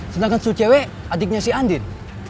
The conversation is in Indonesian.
sedangkan su cewek adiknya si andin